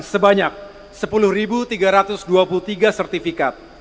sebanyak sepuluh tiga ratus dua puluh tiga sertifikat